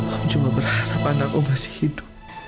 om cuma berharap anak om masih hidup